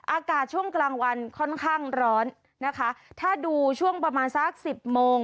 อากาศช่วงกลางวันค่อนข้างร้อนนะคะถ้าดูช่วงประมาณสักสิบโมง